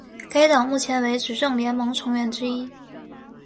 该党目前为执政联盟成员之一。